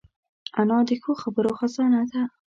انا د ښو خبرو خزانه ده